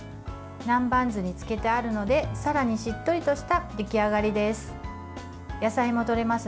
南蛮酢に漬けてあるのでさらにしっとりとした出来上がりです。